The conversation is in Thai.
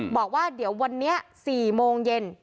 บอกว่าเดี๋ยววันนี้๔โมงเย็น